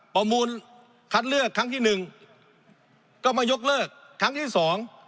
ประมูลคัดเลือกครั้งที่หนึ่งก็มายกเลิกครั้งที่สอง